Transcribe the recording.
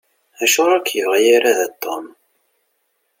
Acuɣeṛ ur k-yebɣi ara da Tom?